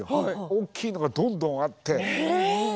大きいのがどんどんあって。